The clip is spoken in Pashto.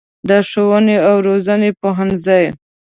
د ښوونې او روزنې پوهنځی